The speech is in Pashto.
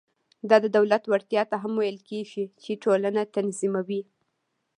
دا د دولت وړتیا ته هم ویل کېږي چې ټولنه تنظیموي.